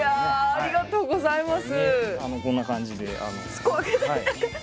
ありがとうございます。